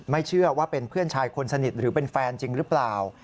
ไม่เชื่อว่าเป็นเพื่อนชายคนสนิทหรือเป็นแฟนจริงหรือเปล่า